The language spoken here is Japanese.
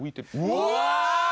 うわ！